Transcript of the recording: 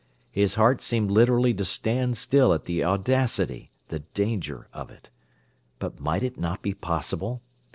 His heart seemed literally to stand still at the audacity, the danger of it. But might it not be possible?